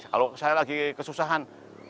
kalau saya lagi kesusahan